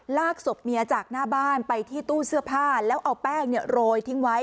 ลากศพเมียจากหน้าบ้านไปที่ตู้เสื้อผ้าแล้วเอาแป้งโรยทิ้งไว้